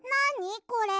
これ。